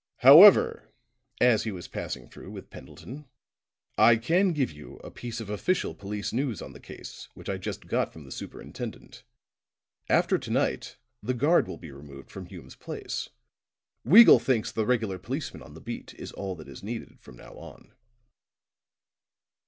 "However," as he was passing through with Pendleton, "I can give you a piece of official police news on the case, which I just got from the superintendent. After to night the guard will be removed from Hume's place. Weagle thinks the regular policeman on the beat is all that is needed from now on."